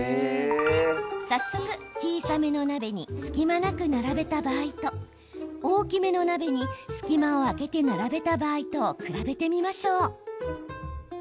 早速、小さめの鍋に隙間なく並べた場合と大きめの鍋に隙間を空けて並べた場合とを比べてみましょう。